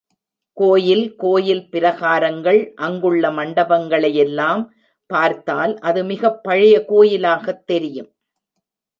கோயில், கோயில் பிரகாரங்கள் அங்குள்ள மண்டபங்களையெல்லாம் பார்த்தால் அது மிகப் பழைய கோயிலாகத் தெரியும்.